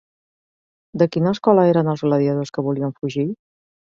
De quina escola eren els gladiadors que volien fugir?